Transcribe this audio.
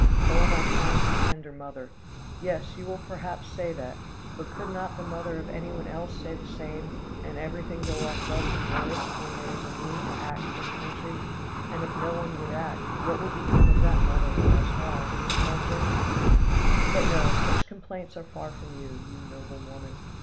"Oh, my kind and tender mother! Yes, you will perhaps say that; but could not the mother of anyone else say the same, and everything go off thus in words when there is need to act for the country? And if no one would act, what would become of that mother of us all who is called Germany? "But no; such complaints are far from you, you noble woman!